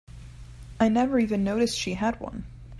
I never even noticed she had one.